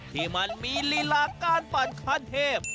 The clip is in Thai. ที่มันมีลีลาการปั่นคันเทพ